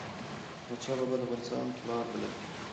احمد شاه بابا د افغانستان پلار بلل کېږي.